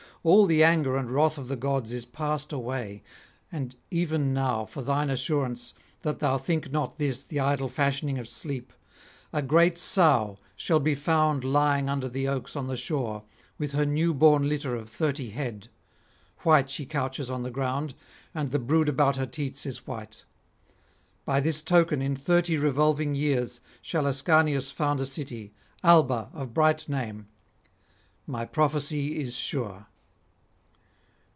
All the anger and wrath of the gods is passed away ... And even now for thine assurance, that thou think not this the idle fashioning of sleep, a great sow shall be found lying under the oaks on the shore, with her new born litter of thirty head: white she couches on the ground, and the brood about her teats is white. By this token in thirty revolving years shall Ascanius found a city, Alba of bright name. My prophecy is sure.